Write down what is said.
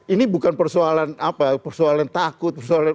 ini bukan persoalan apa persoalan takut persoalan